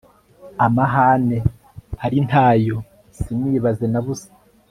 amahane ari ntayo sinibaze na busa